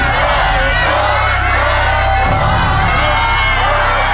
หลวงพ่อคง